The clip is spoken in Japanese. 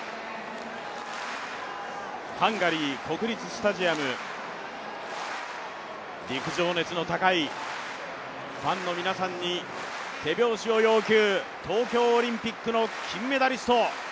ハンガリー国立スタジアム、陸上熱の高いファンの皆さんに手拍子を要求、東京オリンピックの金メダリスト。